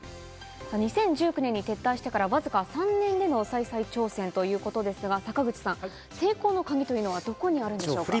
２０１９年に撤退してからわずか３年での再々挑戦ということですが、坂口さん、成功のカギはどこにあるんでしょうか？